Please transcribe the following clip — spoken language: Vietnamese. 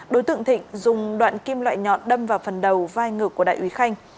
đối tượng thịnh dùng đoạn kim loại nhọn đâm vào phần đầu vai ngược của đại úy khanh